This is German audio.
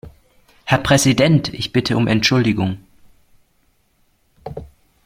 Herr Präsident! Ich bitte um Entschuldigung.